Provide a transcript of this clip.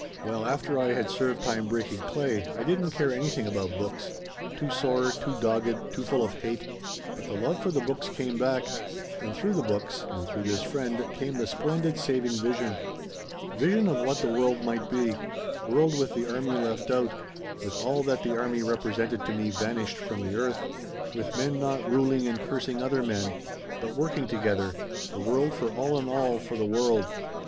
Well, after I had served time breaking clay I didn't care anything about books too sore, too dogged, too full of hate. But the love for the books came back, and through the books, and through this friend, came the splendid saving vision. "Vision of what the world might be world with the army left out, with all that the army represented to me vanished from the earth. With men not ruling and cursing other men; but working together the world for all and all for the world.